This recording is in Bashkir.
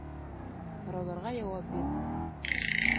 Һорауҙарға яуап бир